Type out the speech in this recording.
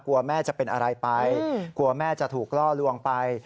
แม่จะเป็นอะไรไปกลัวแม่จะถูกล่อลวงไป